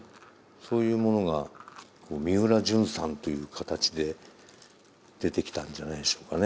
そういうものがみうらじゅんさんという形で出てきたんじゃないでしょうかね。